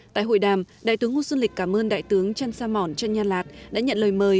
tại hội đàm đại tướng ngô xuân lịch cảm ơn đại tướng trăn sa mòn trăn nha lạt đã nhận lời mời